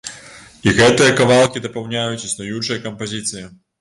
І гэтыя кавалкі дапаўняюць існуючыя кампазіцыі.